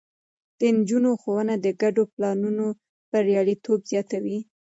د نجونو ښوونه د ګډو پلانونو برياليتوب زياتوي.